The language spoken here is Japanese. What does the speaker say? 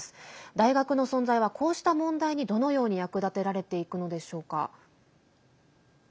大学の存在は、こうした問題にどのように役立てられていくのでしょうか。